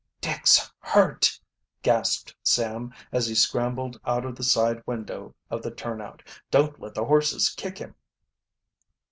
"Dick's hurt!" gasped Sam, as he scrambled out of the side window of the turnout. "Don't let the horses kick him."